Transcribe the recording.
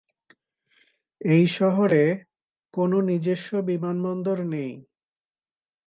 এই শহরের কোনো নিজস্ব বিমানবন্দর নেই।